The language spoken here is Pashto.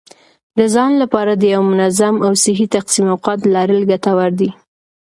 د ځان لپاره د یو منظم او صحي تقسیم اوقات لرل ګټور دي.